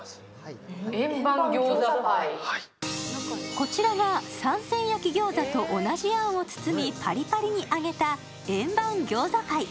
こちらが三鮮焼き餃子と同じあんを包みパリパリに揚げた円盤餃子パイ。